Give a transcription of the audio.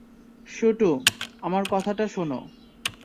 শুটু, আমার কথাটা শোন।